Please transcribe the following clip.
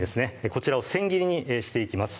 こちらを千切りにしていきます